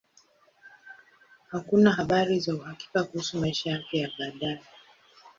Hakuna habari za uhakika kuhusu maisha yake ya baadaye.